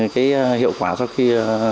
cái hiệu quả sau khi